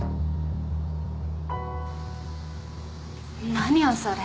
何よそれ？